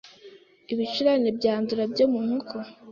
ibicurane byandura byo mu nkoko